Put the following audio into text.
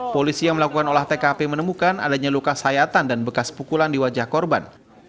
polisi yang melakukan olah tkp menemukan adanya luka sayatan dan bekas pukulan di wajah korban